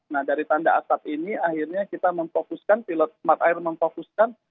nah dari tanda atap ini akhirnya kita memfokuskan pilot smart air memfokuskan